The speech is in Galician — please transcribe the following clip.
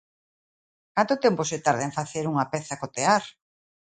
Canto tempo se tarda en facer unha peza co tear?